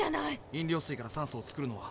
飲料水から酸素を作るのは？